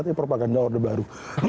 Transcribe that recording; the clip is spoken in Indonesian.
tapi propaganda orde baru